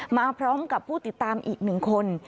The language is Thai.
มาพร้อมกับผู้ติดตามอีก๑คน